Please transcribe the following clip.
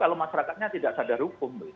kalau masyarakatnya tidak sadar hukum